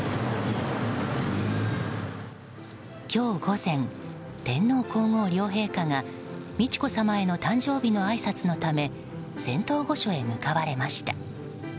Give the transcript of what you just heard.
今日午前、天皇・皇后両陛下が美智子さまへの誕生日のあいさつのため仙洞御所へ向かわれました。